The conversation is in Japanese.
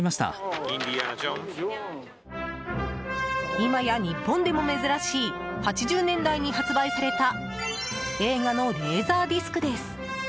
今や日本でも珍しい８０年代に発売された映画のレーザーディスクです。